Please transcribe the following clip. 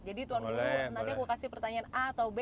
jadi tuan guru nanti aku kasih pertanyaan a atau b